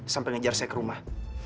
sampai ngejar saya ke rumah